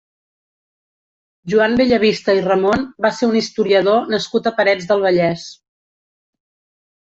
Joan Bellavista i Ramon va ser un historiador nascut a Parets del Vallès.